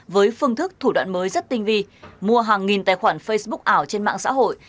với phương thức thủ đoạn mới rất tinh vi mua hàng nghìn tài khoản facebook ảo trên mạng xã hội